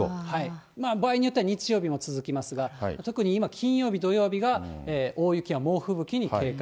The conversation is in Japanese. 場合によっては日曜日も続きますが、特に今、金曜日、土曜日が大雪や猛吹雪に警戒。